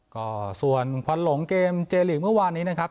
ก็ส่วนควันหลงเกมเจลีกเมื่อวานนี้นะครับ